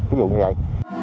ví dụ như vậy